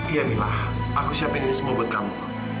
iya mila aku siapkan ini semua buat kamu